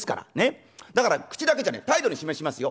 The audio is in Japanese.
だから口だけじゃねえ態度で示しますよ。